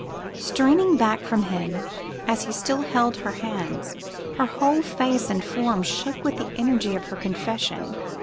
Straining back from him as he still held her hands, her whole face and form shook with the energy of her confession.